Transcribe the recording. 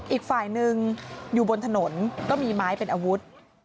อีกฝ่ายหนึ่งอยู่บนถนนก็มีไม้เป็นอาวุธ